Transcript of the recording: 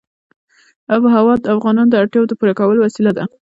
آب وهوا د افغانانو د اړتیاوو د پوره کولو وسیله ده.